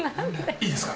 いいですか？